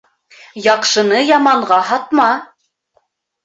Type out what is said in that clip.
Яҡшыны яманға һатма.